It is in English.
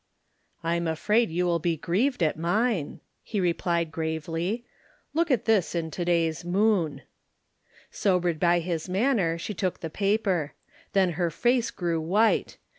"I am afraid you will be grieved at mine," he replied gravely. "Look at this in to day's Moon." Sobered by his manner, she took the paper. Then her face grew white.